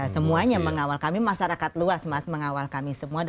semuanya mengawal kami masyarakat luas mas mengawal kami semua